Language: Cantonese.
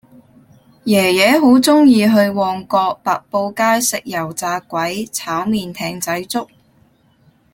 爺爺好鍾意去旺角白布街食油炸鬼炒麵艇仔粥